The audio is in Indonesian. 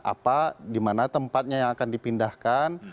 apa di mana tempatnya yang akan dipindahkan